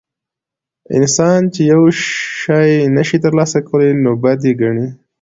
انسان چې یو شی نشي ترلاسه کولی نو بد یې ګڼي.